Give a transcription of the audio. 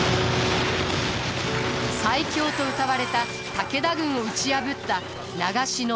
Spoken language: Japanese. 最強とうたわれた武田軍を打ち破った長篠設楽原の戦い。